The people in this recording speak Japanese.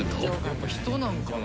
やっぱ人なんかな。